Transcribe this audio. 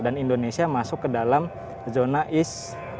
dan indonesia masuk ke dalam zona is